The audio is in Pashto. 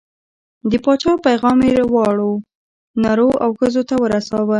د پاچا پیغام یې واړو، نرو او ښځو ته ورساوه.